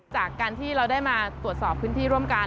จากการที่เราได้มาตรวจสอบพื้นที่ร่วมกัน